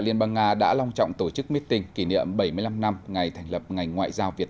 liên bang nga đã long trọng tổ chức meeting kỷ niệm bảy mươi năm năm ngày thành lập ngành ngoại giao việt